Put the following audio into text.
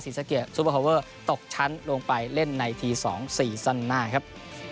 ศรีสะเกียจซูเปอร์ฮอเวอร์ตกชั้นลงไปเล่นในทีสองสี่ซันหน้าครับ